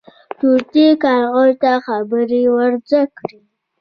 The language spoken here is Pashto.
طوطي کارغه ته خبرې ور زده کړې.